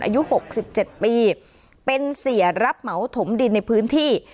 อายุ๖๗ปีเป็นเสียรับเหมาถมดินในพื้นที่